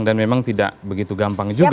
dan memang tidak begitu gampang juga